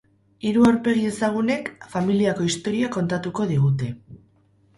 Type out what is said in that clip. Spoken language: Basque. Hiru aurpegi ezagunek familiako historia kontatuko digute.